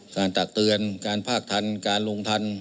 ตักเตือนการภาคทันการลงทัน